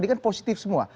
ini kan positif semua